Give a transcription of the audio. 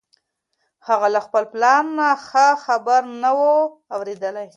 هغه له خپل پلار نه ښه خبره نه وه اورېدلې.